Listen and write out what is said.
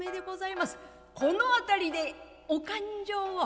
この辺りでお勘定を」。